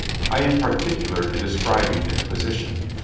I am particular in describing its position.